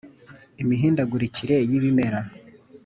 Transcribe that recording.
b Imihindagurikire y’ibimera